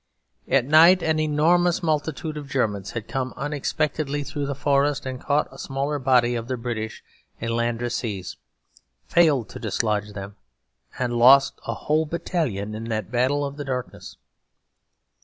At night an enormous multitude of Germans had come unexpectedly through the forest and caught a smaller body of the British in Landrecies; failed to dislodge them and lost a whole battalion in that battle of the darkness.